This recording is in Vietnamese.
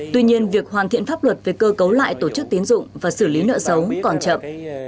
tuy nhiên việc hoàn thiện pháp luật về cơ cấu lại tổ chức tiến dụng và xử lý nợ xấu còn chậm